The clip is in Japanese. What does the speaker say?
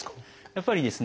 やっぱりですね